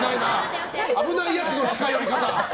危ないやつの近寄り方。